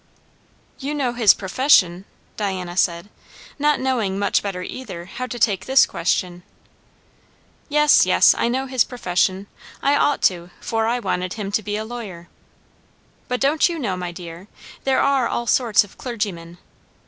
"You know his profession?" Diana said, not knowing much better either how to take this question. "Yes, yes. I know his profession; I ought to, for I wanted him to be a lawyer. But don't you know, my dear, there are all sorts of clergymen?